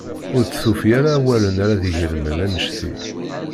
Ur d-tufi ara awalen ara d-igelmen anect-nni.